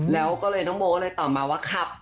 แล้วก็เลยน้องโบตอบว่าครับ